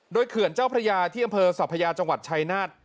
โดยเขื่อนเจ้าพระยาที่อำเภอสัพยาจังหวัดชายนาฏ